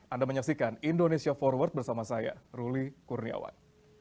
anda menyaksikan indonesia forward bersama saya ruli kurniawan